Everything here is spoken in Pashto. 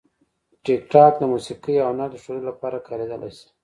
ټیکټاک د موسیقي او هنر د ښودلو لپاره کارېدلی شي.